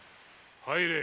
・入れ！